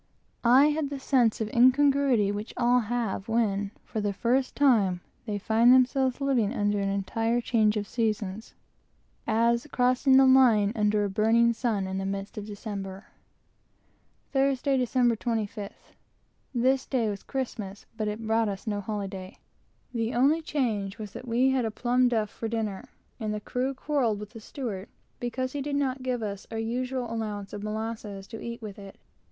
I had the feeling which all have when, for the first time, they find themselves living under an entire change of seasons; as, crossing the line under a burning sun in the midst of December, and, as I afterwards was, beating about among ice and snow on the fourth of July. Thursday, Dec. 25th. This day was Christmas, but it brought us no holiday. The only change was that we had a "plum duff" for dinner, and the crew quarrelled with the steward because he did not give us our usual allowance of molasses to eat with it.